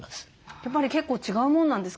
やっぱり結構違うもんなんですか？